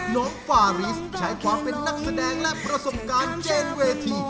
น้องฟาริสใช้ความเป็นนักแสดงและประสบการณ์เจนเวที